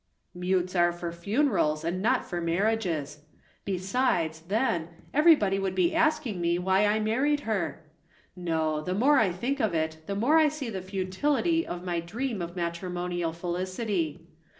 "Mutes are for funerals, and not for marriages. Besides, then, everybody would be asking me why I married her. No, the more I think of it, the more I see the futility of my dream of matrimonial felicity.